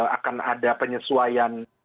akan ada penyesuaian